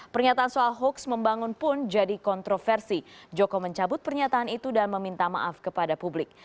pernyataan soal hoax membangun pun jadi kontroversi joko mencabut pernyataan itu dan meminta maaf kepada publik